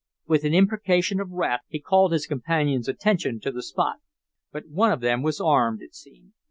With an imprecation of wrath he called his companion's attention to the spot. But one of them was armed, it seemed.